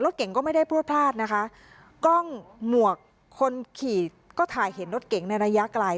เก่งก็ไม่ได้พลวดพลาดนะคะกล้องหมวกคนขี่ก็ถ่ายเห็นรถเก๋งในระยะไกล